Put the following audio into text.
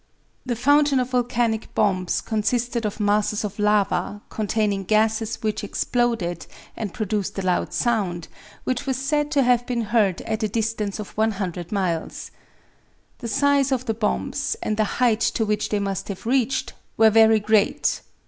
The fountain of volcanic bombs consisted of masses of lava, containing gases which exploded and produced a loud sound, which was said to have been heard at a distance of 100 miles. The size of the bombs, and the height to which they must have reached, were very great.